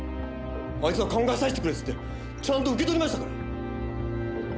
あいつは考えさせてくれってちゃんと受け取りましたから。